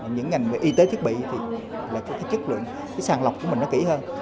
những ngành về y tế thiết bị thì là cái chất lượng cái sàn lọc của mình nó kỹ hơn